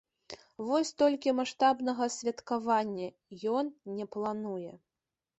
Вось толькі маштабнага святкавання ён не плануе.